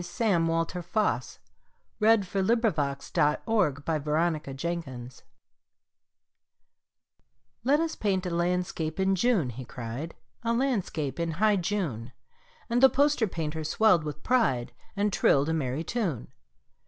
Sam Walter Foss The Poster Painter's Masterpiece "LET us paint a landscape in June," he cried; "A Landscape in high June." And the poster painter swelled with pride And trilled a merry tune.